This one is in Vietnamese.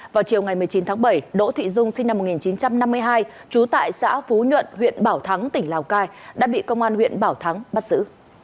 vào chiều ngày một mươi chín tháng bảy đỗ thị dung sinh năm một nghìn chín trăm năm mươi hai trú tại xã phú nhuận huyện bảo thắng tỉnh lào cai đã bị công an huyện bảo thắng bắt giữ